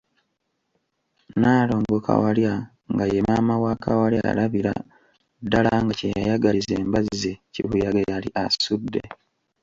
Nnaalongo Kawalya nga ye maama w'akawala yalabira ddala nga kye yagaliza embazzi kibuyaga yali asudde.